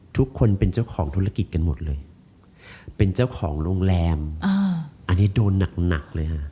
ทุกคนเป็นเจ้าของธุรกิจกันหมดเลยเป็นเจ้าของโรงแรมอันนี้โดนหนักเลยฮะ